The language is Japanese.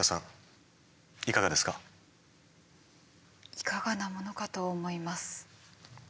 いかがなものかと思います。